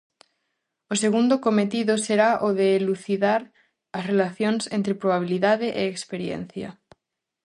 O segundo cometido será o de elucidar as relacións entre probabilidade e experiencia.